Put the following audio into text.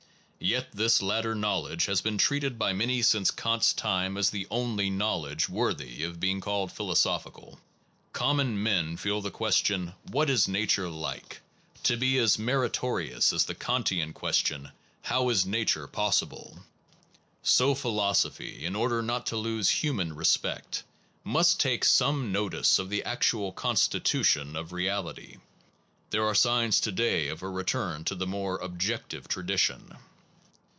Yet this latter knowledge has been treated by many since Kant s time as the only knowledge worthy of being called philosophical. Common men feel the question What is Nature like? to be 14 PHILOSOPHY AND ITS CRITICS as meritorious as the Kantian question How is Nature possible? So philosophy, in order not to lose human respect, must take some notice of the actual constitution of reality. There are signs to day of a return to the more objective tradition.